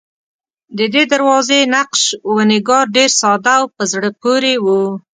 ددې دروازې نقش و نگار ډېر ساده او په زړه پورې و.